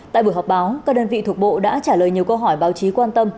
tại buổi họp báo các đơn vị thuộc bộ đã trả lời nhiều câu hỏi báo chí quan tâm